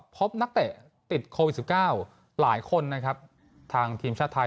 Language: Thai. พบนักเตะติดโควิด๑๙หลายคนนะครับทางทีมชาติไทย